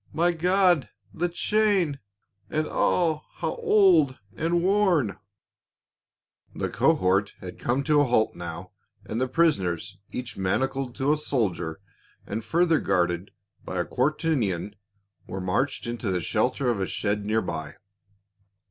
— My God, the chain ! And ah, how old and worn !" The cohort had come to a halt now and the prison ers, each manacled to a soldier and further guarded by a quaternion, were marched into the shelter of a shed near by.